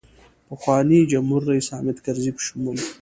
پخواني جمهورریس حامدکرزي په شمول.